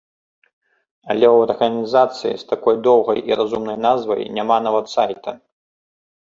Але ў арганізацыі з такой доўгай і разумнай назвай няма нават сайта!